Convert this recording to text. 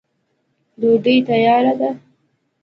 ډوډۍ تیاره ده.